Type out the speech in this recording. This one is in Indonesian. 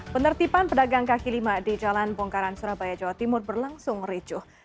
penertiban pedagang kaki lima di jalan bongkaran surabaya jawa timur berlangsung ricuh